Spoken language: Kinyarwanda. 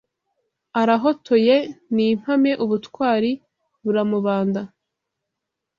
Arahotoye ni impame Ubutwari buramubanda